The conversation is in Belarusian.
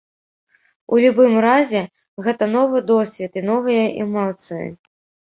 У любым разе, гэта новы досвед і новыя эмоцыі.